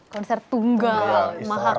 konser tunggal maha karya